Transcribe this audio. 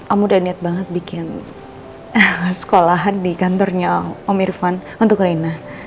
aku udah niat banget bikin sekolahan di kantornya om irfan untuk reina